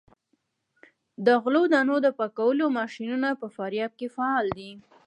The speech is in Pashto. د غلو دانو د پاکولو ماشینونه په فاریاب کې فعال دي.